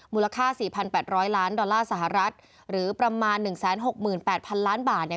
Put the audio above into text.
มูลค่า๔๘๐๐ล้านดอลลาร์สหรัฐหรือประมาณ๑๖๘๐๐๐ล้านบาท